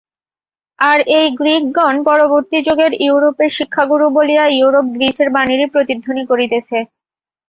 আর এই গ্রীকগণ পরবর্তী যুগের ইউরোপের শিক্ষাগুরু বলিয়া ইউরোপ গ্রীসের বাণীরই প্রতিধ্বনি করিতেছে।